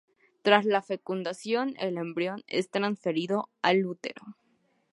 Tras la fecundación, el embrión es transferido al útero.